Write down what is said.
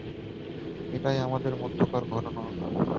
এটাই আমাদের মধ্যকার ঘটনা।